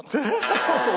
そうそう。